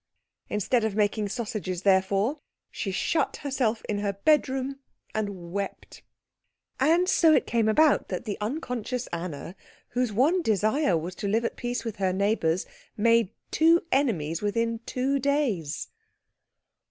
Instead of making sausages, therefore, she shut herself in her bedroom and wept. And so it came about that the unconscious Anna, whose one desire was to live at peace with her neighbours, made two enemies within two days.